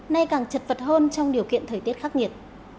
nay càng chật vật hơn trong điều kiện thời tiết khắc nghiệt